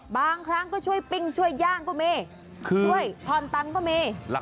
บางครั้งก็ช่วยปิ้งช่วยย่างก็มีช่วยทอนตังค์ก็มี